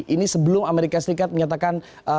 ini sebelum amerika serikat menyatakan